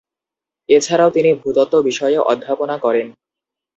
এছাড়াও তিনি ভূতত্ত্ব বিষয়ে অধ্যাপনা করেন।